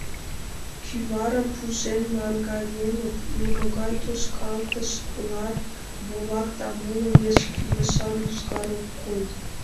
Кӱварым пужен наҥгаеныт, нимогай тошкалтыш, лар, волак да моло вес кӱлешан ӱзгар ок кой.